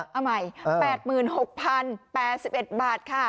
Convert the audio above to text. เอาใหม่๘๖๐๘๑บาทค่ะ